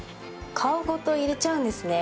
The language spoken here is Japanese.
皮ごと入れちゃうんですね。